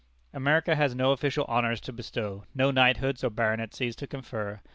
America has no official honors to bestow, no knighthoods or baronetcies to confer.